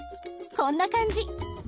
こんな感じ。